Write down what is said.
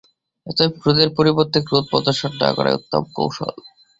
অতএব ক্রোধের পরিবর্তে ক্রোধ প্রদর্শন না করাই উত্তম কৌশল।